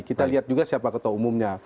kita lihat juga siapa ketua umumnya